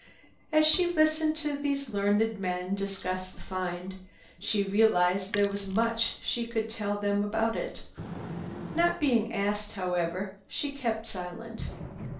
As she listened to these learned men discussing the "find" she realized there was much she could tell them about it. Not being asked, however, she kept silent.